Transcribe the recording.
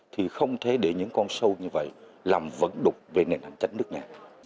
thì không thể để những con sâu như vậy làm vẫn đục về nền hành tránh nước nhà